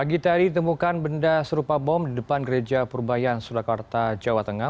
pagi tadi ditemukan benda serupa bom di depan gereja purbayan surakarta jawa tengah